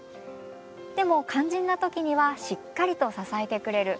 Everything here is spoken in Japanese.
でも肝心な時にはしっかりと支えてくれる。